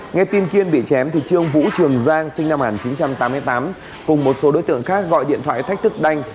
nghe tin kiên bị chém thì trương vũ trường giang sinh năm một nghìn chín trăm tám mươi tám cùng một số đối tượng khác gọi điện thoại thách thức đanh